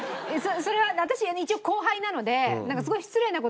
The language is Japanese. それは私一応後輩なので。